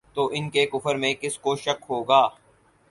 تو ان کے کفر میں کس کو شک ہوگا